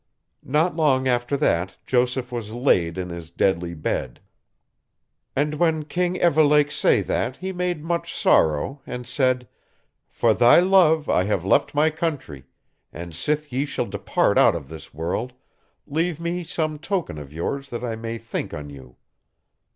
"Not long after that Joseph was laid in his deadly bed. And when King Evelake say that he made much sorrow, and said: For thy love I have left my country, and sith ye shall depart out of this world, leave me some token of yours that I may think on you.